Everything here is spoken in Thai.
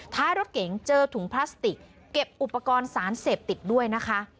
ท้ายรถเก๋งเจอถุงพลาสติกเก็บอุปกรณ์สารเสพติดด้วยนะคะ